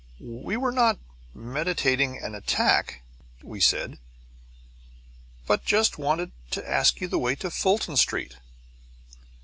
"We were not meditating an attack," we said, "but just wanted to ask you the way to Fulton Street."